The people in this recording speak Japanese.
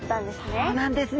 そうなんですね。